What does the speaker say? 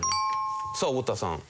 さあ太田さん。